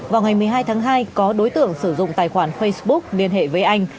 vào ngày một mươi hai tháng hai có đối tượng sử dụng tài khoản facebook liên hệ với anh